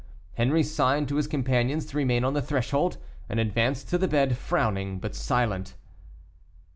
Henri signed to his companions to remain on the threshold, and advanced to the bed, frowning, but silent.